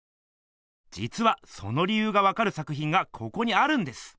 じつはその理ゆうがわかる作ひんがここにあるんです。